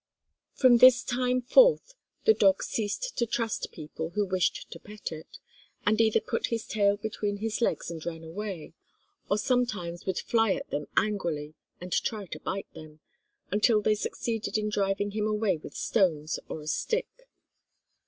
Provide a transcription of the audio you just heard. From this time forth the dog ceased to trust people who wished to pet it, and either put his tail between his legs and ran away, or sometimes would fly at them angrily and try to bite them, until they succeeded in driving him away with stones or a stick.